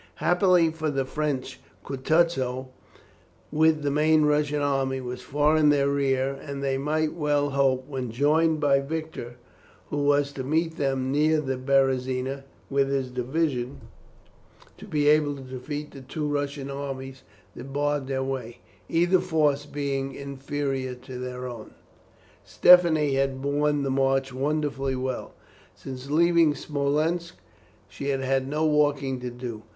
Happily for the French, Kutusow, with the main Russian army, was far in their rear, and they might well hope, when joined by Victor, who was to meet them near the Berezina with his division, to be able to defeat the two Russian armies that barred their way, either force being inferior to their own. Stephanie had borne the march wonderfully well. Since leaving Smolensk, she had had no walking to do.